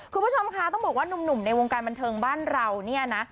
คุณผู้ชมคะต้องบอกว่าหนุ่มในวงการบันเทิงบ้านเราเนี่ยนะ